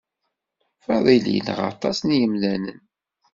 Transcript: Faḍil yenɣa aṭas n yemdanen.